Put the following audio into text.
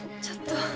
ちょっと。